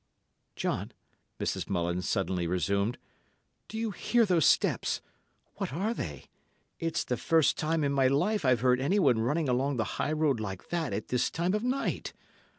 "John," Mrs. Mullins suddenly resumed, "do you hear those steps? What are they? It's the first time in my life I've heard anyone running along the high road like that at this time of night.